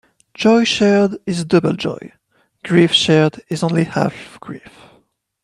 Joy shared is double joy; grief shared is only half grief.